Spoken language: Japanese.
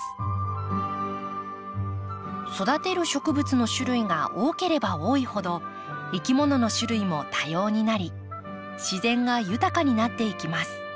育てる植物の種類が多ければ多いほどいきものの種類も多様になり自然が豊かになっていきます。